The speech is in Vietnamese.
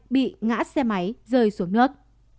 bị ngã xe máy rơi xuống nước